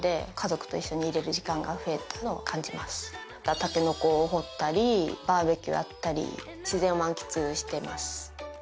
たけのこを掘ったりバーベキューやったり自然を満喫してます。